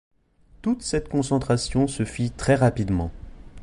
Toute cette concentration se fit très rapidement.